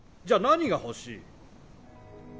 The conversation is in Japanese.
じゃ何が欲しい？